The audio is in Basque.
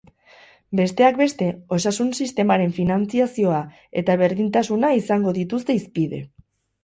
Besteak beste, osasun sistemaren finantzazioa eta berdintasuna izango dituzte hizpide.